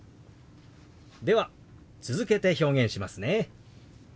では続けて表現しますね。